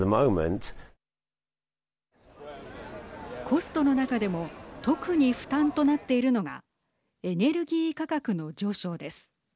コストの中でも特に負担となっているのがエネルギー価格の上昇です。